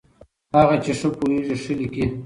هغه چې ښه پوهېږي، ښه لیکي.